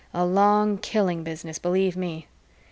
A long killing business, believe me.